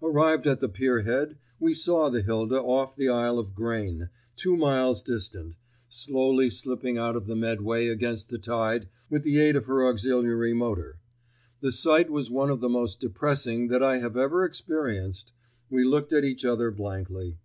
Arrived at the pierhead we saw the Hilda off the Isle of Grain, two miles distant, slowly slipping out of the Medway against the tide with the aid of her auxiliary motor. The sight was one of the most depressing that I have ever experienced. We looked at each other blankly.